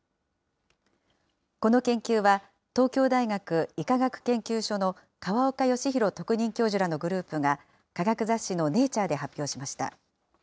この研究は、東京大学医科学研究所の河岡義裕特任教授らのグループが、科学雑誌のネイチャーで発表しました。